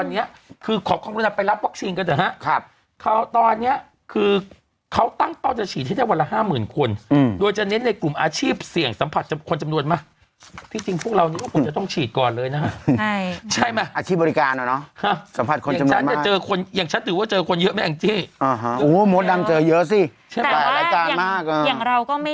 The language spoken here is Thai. วันนี้ขอคงปริมานาคนะไปรับตัวค่าวิทยาลัยส่องกันนะตอนนี้เค้าตั้งตอนจะฉีดที่เท่าวันละห้าหมื่นคนโดยจะเน้นในกลุ่มอาชีพเสี่ยงสัมผัสจะคนจำนวนปุ่มเจอค่ะ